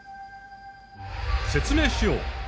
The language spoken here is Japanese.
説明しよう。